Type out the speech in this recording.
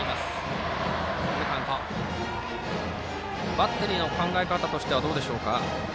バッテリーの考え方としてはどうでしょうか。